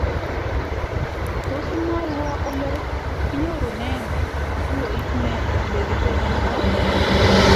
tos imwowo ole kinyorunen kituoit ne lekiten yuto